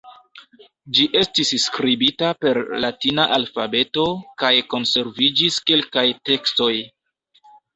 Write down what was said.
Ĝi estis skribita per latina alfabeto kaj konserviĝis kelkaj tekstoj.